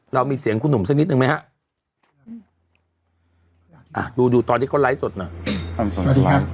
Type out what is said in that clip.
เรามีเสียงกูหนุ่มซะนิดหนึ่งไหมดูตอนที่เขาไลก์สดหน่อย